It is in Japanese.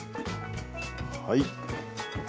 はい。